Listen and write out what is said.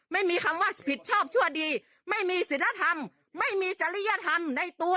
ไม่มีคำว่าผิดชอบชั่วดีไม่มีศิลธรรมไม่มีจริยธรรมในตัว